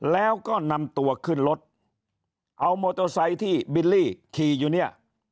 แล้วก็นำตัวขึ้นรถเอามอเตอร์ไซค์ที่บิลลี่ขี่อยู่เนี่ย